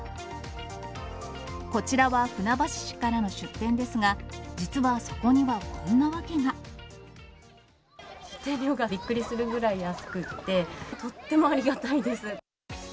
こちらは船橋市からの出店ですが、出店料がびっくりするぐらい安くって、とってもありがたいです。